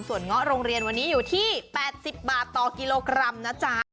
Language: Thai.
ส่วนเงาะโรงเรียนวันนี้อยู่ที่๘๐บาทต่อกิโลกรัมนะจ๊ะ